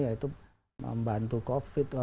yaitu membantu covid